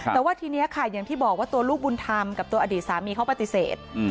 แต่ว่าทีนี้ค่ะอย่างที่บอกว่าตัวลูกบุญธรรมกับตัวอดีตสามีเขาปฏิเสธ